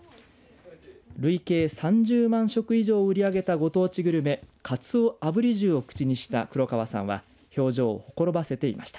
累計３０万食以上を売り上げたご当地グルメカツオ炙り重を口にした黒川さんは表情をほころばせていました。